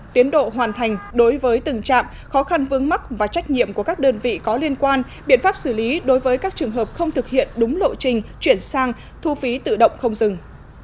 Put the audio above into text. tiến độ hoàn thành đối với từng trạm khó khăn vướng mắc và trách nhiệm của các đơn vị có liên quan biện pháp xử lý đối với các trường hợp không thực hiện đúng lộ trình chuyển sang thu phí tự động không dừng